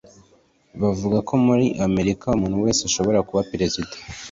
bavuga ko muri amerika umuntu wese ashobora kuba perezida